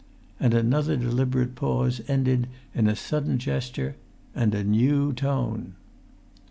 And another deliberate pause ended in a sudden gesture and a new tone.